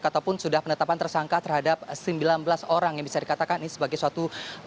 ataupun sudah penetapan tersangka terhadap sembilan belas orang yang bisa dikatakan ini sebagai suatu